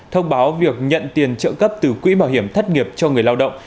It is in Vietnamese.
thông báo việc nhận tiền trợ cấp từ quỹ bảo hiểm thất nghiệp cho người lao động